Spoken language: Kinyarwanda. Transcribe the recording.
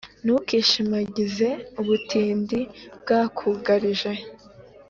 ntukishimagize ubutindi bwakugarije